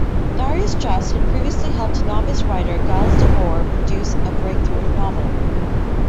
Darius Just had previously helped novice writer Giles Devore produce a breakthrough novel.